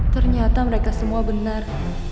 ternyata mereka semua benar